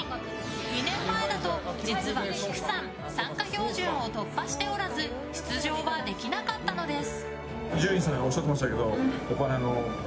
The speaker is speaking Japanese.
２年前だと実は、きくさん参加標準を突破しておらず出場はできなかったのです。